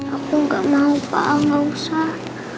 aku gak mau pak nggak usah